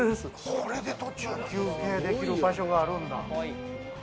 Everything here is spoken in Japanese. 休憩できる場所があるんだ。